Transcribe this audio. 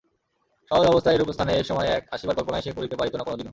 সহজ অবস্থায় এরূপ স্থানে এ-সময় এক আসিবার কল্পনাই সে করিতে পারিত না কোনদিনও।